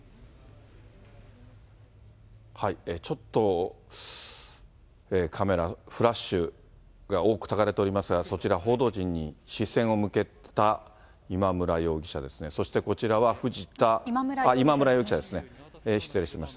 ちょっと、カメラ、フラッシュが多くたかれておりますが、そちら、報道陣に視線を向けた今村容疑者ですね、そしてこちらは今村容疑者ですね、失礼しました。